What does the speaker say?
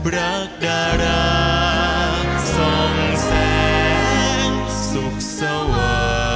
รักดาราสองแสงสุขสวา